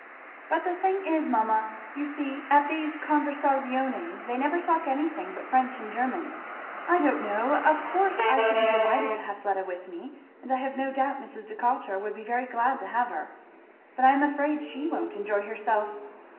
"But the thing is, mamma, you see, at these conversaziones they never talk anything but French and German I don't know of course I should be delighted to have Fleda with me, and I have no doubt Mrs. Decatur would be very glad to have her but I am afraid she won't enjoy herself."